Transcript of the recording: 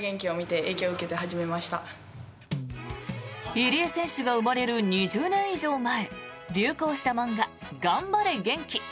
入江選手が生まれる２０年以上前流行した漫画「がんばれ元気」。